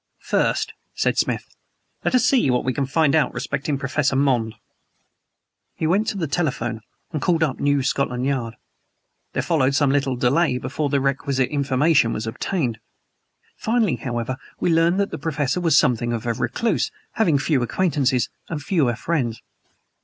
"First," said Smith, "let us see what we can find out respecting Professor Monde." He went to the telephone and called up New Scotland Yard. There followed some little delay before the requisite information was obtained. Finally, however, we learned that the Professor was something of a recluse, having few acquaintances, and fewer friends.